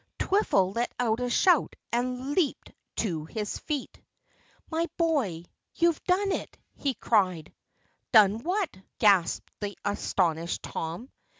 Twiffle let out a shout and leaped to his feet. "My boy, you've done it!" he cried. "Done what?" gasped the astonished Tom.